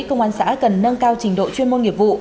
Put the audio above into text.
công an xã cần nâng cao trình độ chuyên môn nghiệp vụ